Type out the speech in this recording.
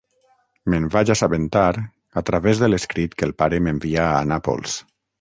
Me'n vaig assabentar a través de l'escrit que el pare m'envià a Nàpols.